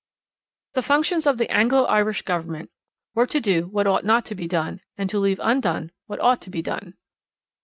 The functions of the Anglo Irish Government were to do what ought not to be done, and to leave undone what ought to be done.